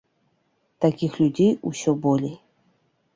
Такіх людзей усё болей.